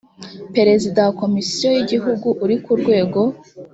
perezida wa komisiyo y igihugu uri ku rwego